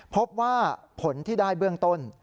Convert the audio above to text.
พบว่าผลที่ได้เบื้องต้น